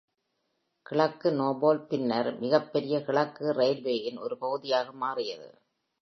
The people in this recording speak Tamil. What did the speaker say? கிழக்கு நோர்போல்க் பின்னர் மிகப்பெரிய கிழக்கு இரயில்வேயின் ஒரு பகுதியாக மாறியது.